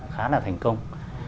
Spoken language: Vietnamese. khá là thành công